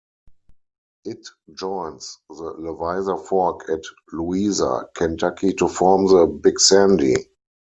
It joins the Levisa Fork at Louisa, Kentucky to form the Big Sandy.